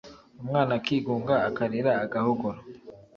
Umwana akigunga akarira agahogora